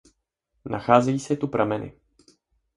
Nacházejí se tu prameny.